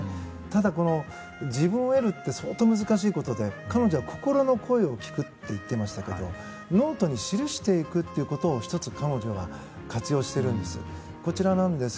ただ、自分を得るって相当難しいことで彼女は心の声を聞くといっていましたけどノートに記していくということを彼女は活用しているんですよ。